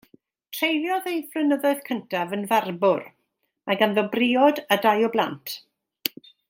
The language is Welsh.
Treuliodd ei flynyddoedd cyntaf yn farbwr; mae ganddo briod a dau o blant.